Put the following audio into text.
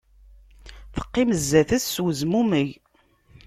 Teqqim sdat-s s uzmumeg